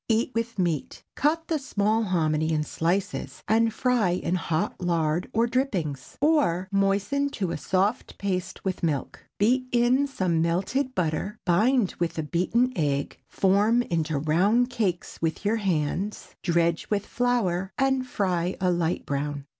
Eat with meat. Cut the small hominy in slices and fry in hot lard or drippings. Or, moisten to a soft paste with milk; beat in some melted butter, bind with a beaten egg, form into round cakes with your hands, dredge with flour and fry a light brown.